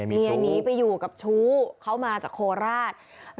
เมียนี้ไปอยู่กับชู้เขามาจากโฆษณ์ราช